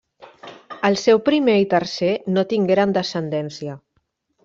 El seu primer i tercer no tingueren descendència.